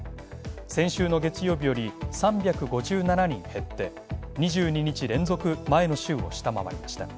先週の月曜日より３５７人減って２２日連続、前の週を下回りました。